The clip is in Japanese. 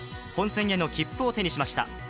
本線への切符を手にしました。